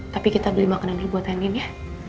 tapi kita beli makanan dulu buat henin ya